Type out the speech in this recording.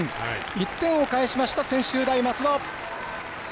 １点を返しました専修大松戸。